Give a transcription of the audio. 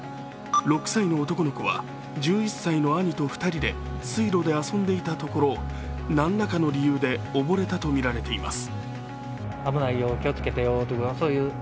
６歳の男の子は１１歳の兄と２人で水路で遊んでいたところ何らかの理由で溺れたとみられています。